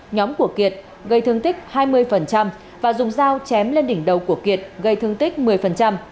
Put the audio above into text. nhóm của kiệt gây thương tích hai mươi và dùng dao chém lên đỉnh đầu của kiệt gây thương tích một mươi